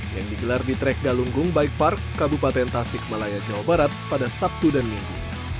yang digelar di trek galunggung bike park kabupaten tasik malaya jawa barat pada sabtu dan minggu